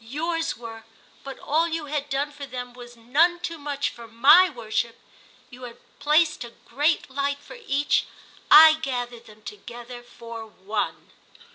Yours were, but all you had done for them was none too much for my worship! You had placed a great light for Each—I gathered them together for One!"